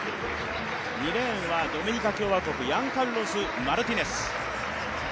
２レーンはドミニカ共和国ヤンカルロス・マルティネス。